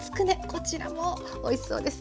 こちらもおいしそうです。